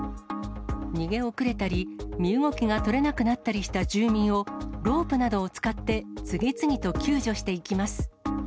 逃げ遅れたり、身動きが取れなくなったりした住民を、ロープなどを使って、次々と救助していきます。